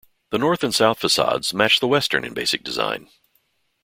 The north and south facades match the western in basic design.